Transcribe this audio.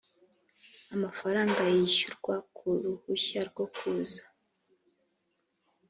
amafaranga yishyurwa ku ruhushya rwo kuza